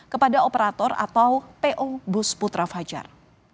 kepada operator atau po bus putra fajar